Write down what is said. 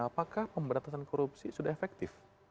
apakah pemberantasan korupsi sudah efektif